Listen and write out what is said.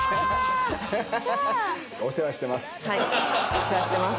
お世話してます。